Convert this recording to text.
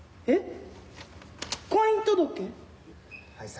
えっ？